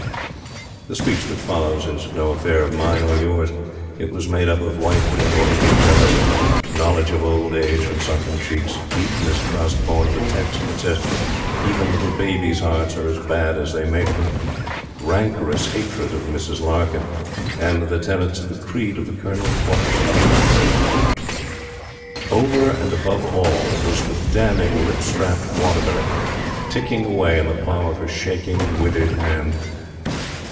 The speech that followed is no affair of mine or yours. It was made up of wifely and womanly jealousy; knowledge of old age and sunken cheeks; deep mistrust born of the text that says even little babies' hearts are as bad as they make them; rancorous hatred of Mrs. Larkyn, and the tenets of the creed of the Colonel's Wife's upbringing. Over and above all, was the damning lip strapped Waterbury, ticking away in the palm of her shaking, withered hand.